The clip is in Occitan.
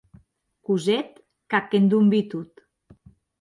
Cosette, qu’ac endonvii tot.